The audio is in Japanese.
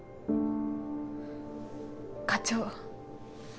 課長。